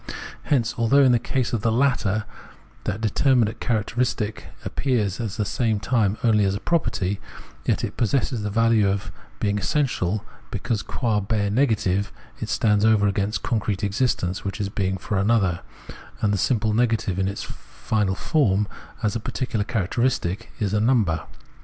Hence, although in the case of the latter that determinate characteristic ^80 Phenomenology of Mind appears at the same time only as a property, yet it possesses the value of being essential, because qua bare negative it stands over against concrete existence which is being for another ; and this simple negative in its final form as a particular characteristic is a number.